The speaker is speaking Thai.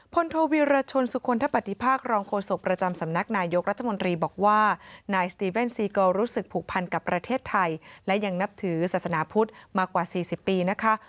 โทวิรชนสุคลทปฏิภาครองโฆษกประจำสำนักนายกรัฐมนตรีบอกว่านายสตีเว่นซีกอลรู้สึกผูกพันกับประเทศไทยและยังนับถือศาสนาพุทธมากว่า๔๐ปีนะคะ